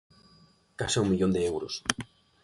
Case un millón de euros.